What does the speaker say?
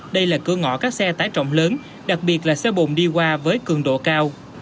đây là cửa ngõ các xe tải trọng lớn đặc biệt là xe bồn đi qua với cường độ cao